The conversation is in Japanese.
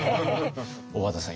小和田さん